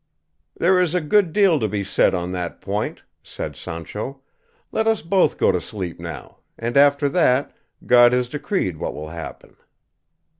"There is a good deal to be said on that point," said Sancho; "let us both go to sleep now, and after that, God has decreed what will happen.